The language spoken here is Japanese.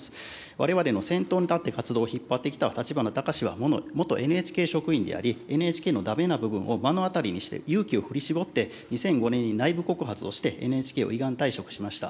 われわれの先頭に立って活動を引っ張ってきた立花孝志は元ＮＨＫ職員であり、ＮＨＫのだめな部分を目の当たりにして、勇気を振り絞って２００５年に内部告発をして、ＮＨＫを依願退職しました。